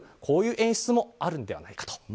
こういう演出もあるんではないかと。